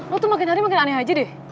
lo tuh makin hari makin aneh aja deh